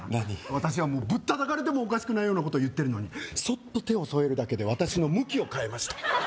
私はもうぶっ叩かれてもおかしくないようなこと言ってるのにそっと手を添えるだけで私の向きを変えました